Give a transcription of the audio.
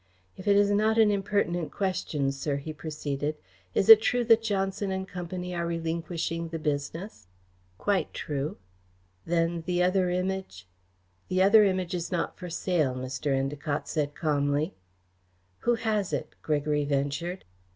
"If it is not an impertinent question, sir," he proceeded, "is it true that Johnson and Company are relinquishing the business?" "Quite true." "Then the other Image ?" "The other Image is not for sale," Mr. Endacott said calmly. "Who has it?" Gregory ventured.